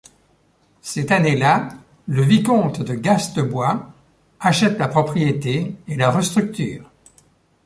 Cette année-là, le vicomte de Gastebois achète la propriété et la restructure.